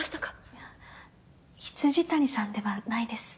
いや未谷さんではないです。